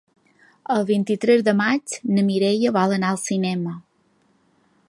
El vint-i-tres de maig na Mireia vol anar al cinema.